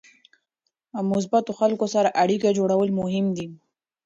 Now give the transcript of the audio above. مثبتو خلکو سره اړیکه جوړول مهم دي.